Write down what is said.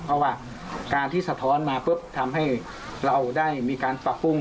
เพราะว่าการที่สะท้อนมาปุ๊บทำให้เราได้มีการปรับปรุง